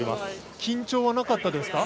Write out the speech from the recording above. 緊張はなかったですか？